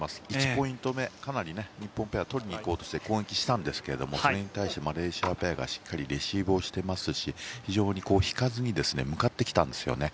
１ポイント目、かなり日本ペアは取りにいこうとして攻撃したんですけどそれに対してマレーシアペアがしっかりレシーブしていますし非常に引かずに向かってきたんですよね。